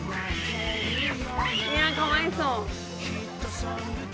いやかわいそう。